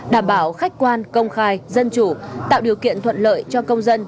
đảm bảo khách quan công khai dân chủ tạo điều kiện thuận lợi cho công dân